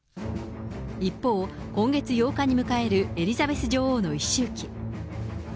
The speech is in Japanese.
一方、今月８日に迎えるエリザベス女王の一周忌。